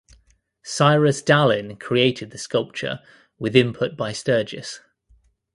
Cyrus Dallin created the sculpture with input by Sturgis.